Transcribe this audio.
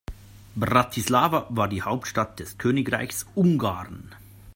Bratislava war die Hauptstadt des Königreichs Ungarn.